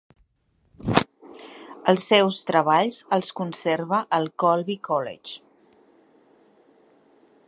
Els seus treballs els conserva el Colby College.